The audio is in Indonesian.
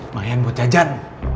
mayan buat jajan